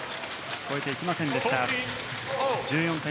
越えていきませんでした。